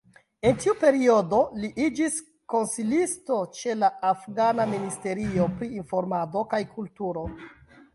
En tiu periodo li iĝis konsilisto ĉe la afgana Ministerio pri Informado kaj Kulturo.